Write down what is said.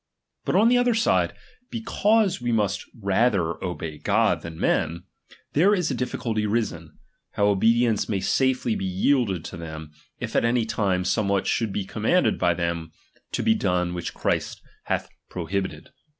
But on the other side, RKLIGION. because we luust rather obey God than men, there ctup.xviii is a difficulty risen, how obedience may safely TiTdim^ be yielded to thein, if at any time somewhat p"i«"n'i^ii should be commanded by them to be done which repasnBo«e di Christ hath prohibited.